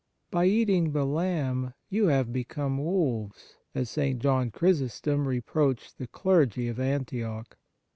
By eating the Lamb have you become wolves ? as St. John Chry sostom reproached the clergy of Antioch.